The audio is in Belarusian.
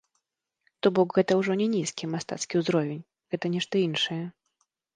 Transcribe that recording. То бок, гэта ўжо не нізкі мастацкі ўзровень, гэта нешта іншае.